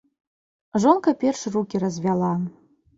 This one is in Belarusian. Жонка перш рукі развяла.